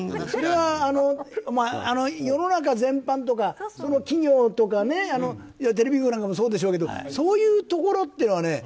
それは世の中全般とかその企業とかテレビ局なんかもそうでしょうけどそういうところっていうのは。